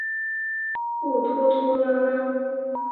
不拖拖拉拉。